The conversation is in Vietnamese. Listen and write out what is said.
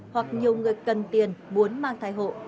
hoặc nhiều người cần tiền muốn mang thai hộ